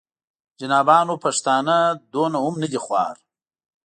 جنابانو پښتانه دومره هم نه دي خوار.